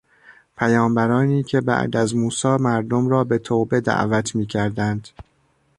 پیامبرانی که بعد از موسی مردم را به توبه دعوت میکردند.